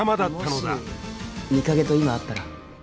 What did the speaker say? もし美影と今会ったら？